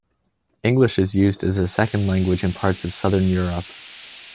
English is used as a second language in parts of Southern Europe.